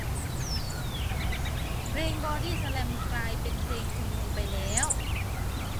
เพลงบอดี้สแลมกลายเป็นเพลงชุมนุมไปแล้ว